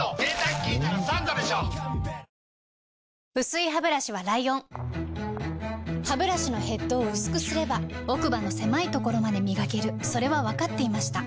薄いハブラシはライオンハブラシのヘッドを薄くすれば奥歯の狭いところまで磨けるそれは分かっていました